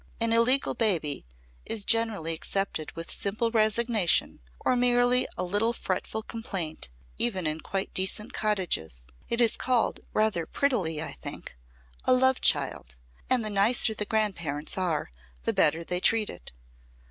An illegal baby is generally accepted with simple resignation or merely a little fretful complaint even in quite decent cottages. It is called rather prettily, I think 'a love child' and the nicer the grandparents are, the better they treat it.